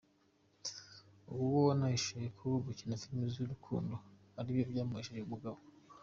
Uwoya yanahishuye ko gukina filime z’urukundo ari byo ‘byamuhesheje umugabo’.